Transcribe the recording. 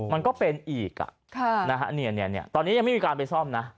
มันก็เป็นอีกอ่ะค่ะนะฮะเนี้ยเนี้ยเนี้ยตอนนี้ยังไม่มีการไปซ่อมนะ